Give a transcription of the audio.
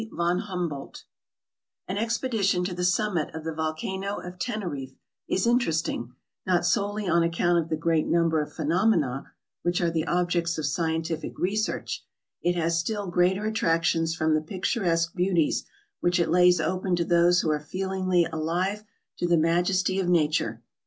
VON HUMBOLDT AN expedition to the summit of the volcano of Teneriffe is interesting, not solely on account of the great num ber of phenomena which are the objects of scientific re search; it has still greater attractions from the picturesque beauties which it lays open to those who are feelingly alive to the majesty of nature.